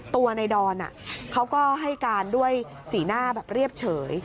ตัวในดอนเขาก็ให้การด้วยสีหน้าแบบเรียบเฉย